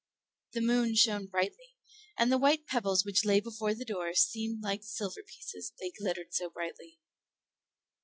The moon shone brightly, and the white pebbles which lay before the door seemed like silver pieces, they glittered so brightly.